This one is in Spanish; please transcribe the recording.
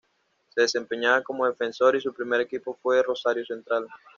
Se desempeñaba como defensor y su primer equipo fue Rosario Central.